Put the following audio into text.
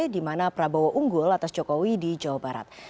di mana prabowo unggul atas jokowi di jawa barat